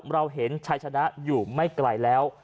เราเห็นชัยชนะอยู่ไม่ไกลแล้ว